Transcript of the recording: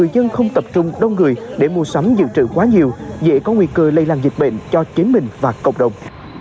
và nguy cơ lây lan dịch bệnh cho chính mình và cộng đồng